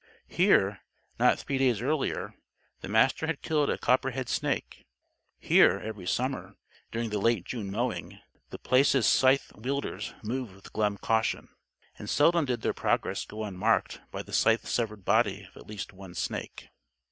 Here, not three days earlier, the Master had killed a copperhead snake. Here, every summer, during the late June mowing, The Place's scythe wielders moved with glum caution. And seldom did their progress go unmarked by the scythe severed body of at least one snake.